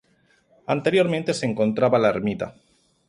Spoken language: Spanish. Anteriormente se encontraba la ermita.